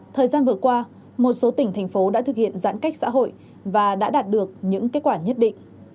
thời gian vừa qua một số tỉnh thành phố đã thực hiện giãn cách xã hội và đã đạt được những kết quả nhất định